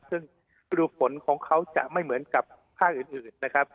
ซึ่งฤดูฝนของเขาจะไม่เหมือนกับภาคอื่นนะครับ